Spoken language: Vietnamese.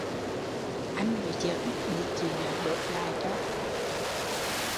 Anh nói giỡn bị chị nớ đốp lại cho